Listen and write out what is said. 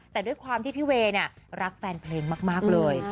แต่ด้วยความที่พี่เวย์รักแฟนเพลงมากเลย